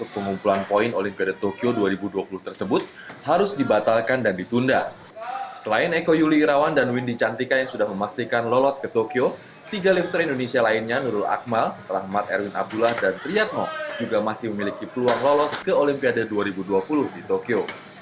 memastikan lolos ke tokyo tiga lifter indonesia lainnya nurul akmal rahmat erwin abdullah dan triadmo juga masih memiliki peluang lolos ke olimpiade dua ribu dua puluh di tokyo